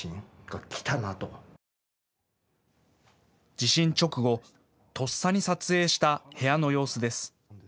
地震直後、とっさに撮影した部屋の様子です。